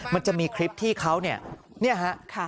มันจะมีคลิปที่เขาเนี่ยเนี่ยฮะค่ะ